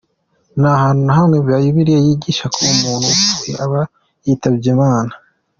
Nta hantu na hamwe Bible yigisha ko umuntu upfuye aba yitabye imana.